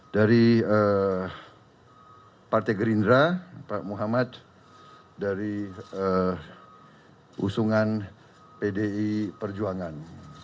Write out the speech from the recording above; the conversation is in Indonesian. dari partai gerindra pak muhammad dari usungan pdi perjuangan